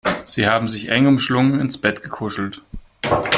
Sie haben sich eng umschlungen ins Bett gekuschelt.